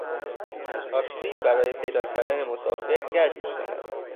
تاکسی برای پیدا کردن مسافر گشت میزند.